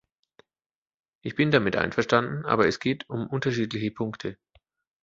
Ich bin damit einverstanden, aber es geht um unterschiedliche Punkte.